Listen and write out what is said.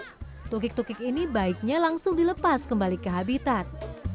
meski seharusnya pasca telur menetas tukik tukik ini baiknya langsung dilepas kembali ke habitat